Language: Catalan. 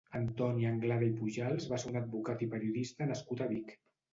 Antoni Anglada i Pujals va ser un advocat i periodista nascut a Vic.